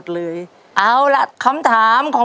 ใช่นักร้องบ้านนอก